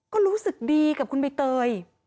ก็รู้สึกดีกับคุณใบเตย